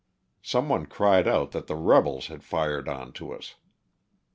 Some one cried out that the rebels had fired onto us.